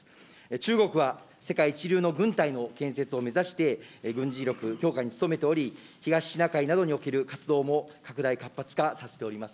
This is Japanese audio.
中国は世界一流の軍隊の建設を目指して、軍事力強化に努めており、東シナ海などにおける活動も拡大、活発化させております。